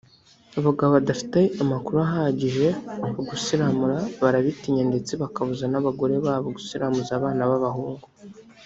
Abagabo badafite amakuru ahagije ku gusiramura barabitinya ndetse bakabuza n’abagore babo gusiramuza abana b’abahungu